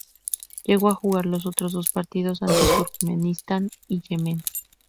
Llegó a jugar los otros dos partidos ante Turkmenistán y Yemen.